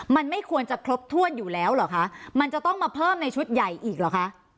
มันไม่ควรจะครบถ้วนอยู่แล้วเหรอคะมันจะต้องมาเพิ่มในชุดใหญ่อีกเหรอคะ